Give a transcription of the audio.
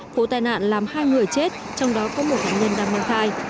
vụ tai nạn làm hai người chết trong đó có một hạ nhân đang mong thai